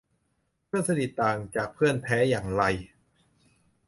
เพื่อนสนิทต่างจากเพื่อนแท้อย่างไร